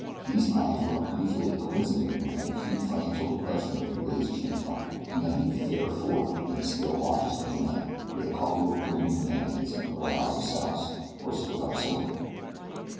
These times were usually coincident with an acute financial depression in Billy's change pocket, and then he would fare forth in the still watches of the night, with a couple of boon companions and roll a souse, or stick up a saloon.